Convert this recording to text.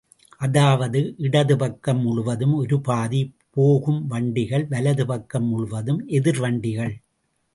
அதாவது இடது பக்கம் முழுவதும் ஒரு பாதி போகும் வண்டிகள் வலது பக்கம் முழுவதும் எதிர் வண்டிகள்.